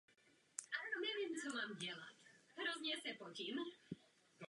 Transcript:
Jedná se o čtvrtý největší skanzen v Evropě s výjimkou severských zemí.